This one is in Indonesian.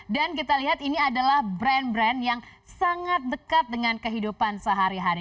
dan kita lihat ini adalah brand brand yang sangat dekat dengan kehidupan sehari hari